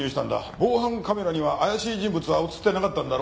防犯カメラには怪しい人物は映ってなかったんだろ？